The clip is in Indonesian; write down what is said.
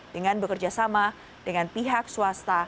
dengan bekerjasama dengan pihak swasta